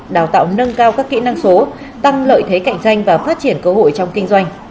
đào tạo nâng cao các kỹ năng số tăng lợi thế cạnh tranh và phát triển cơ hội trong kinh doanh